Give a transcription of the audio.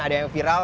ada yang viral